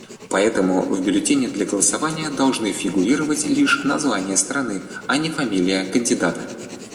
Поэтому в бюллетене для голосования должно фигурировать лишь название страны, а не фамилия кандидата.